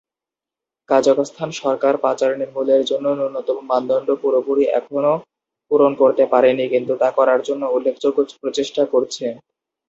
কাজাখস্তান সরকার পাচার নির্মূলের জন্য ন্যূনতম মানদণ্ড পুরোপুরি এখনো পূরণ করতে পারেনি কিন্তু তা করার জন্য উল্লেখযোগ্য প্রচেষ্টা করছে।